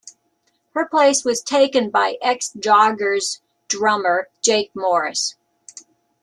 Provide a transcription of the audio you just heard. Her place was taken by ex-Joggers drummer Jake Morris.